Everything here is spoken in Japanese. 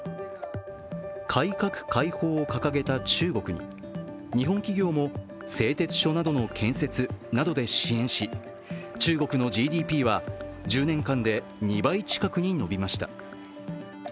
改革開放を掲げた中国に日本企業も製鉄所などの建設などで支援し中国のＧＤＰは１０年間で２倍近くに伸びました。